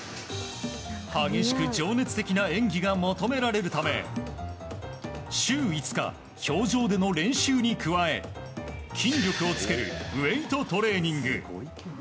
激しく情熱的な演技が求められるため週５日氷上での練習に加え筋力をつけるウェートトレーニング。